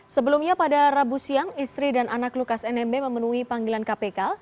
sebelumnya pada rabu siang istri dan anak lukas nmb memenuhi panggilan kpk